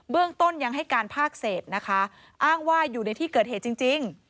เรื่องต้นยังให้การภาคเศษนะคะอ้างว่าอยู่ในที่เกิดเหตุจริง